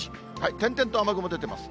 点々と雨雲出ています。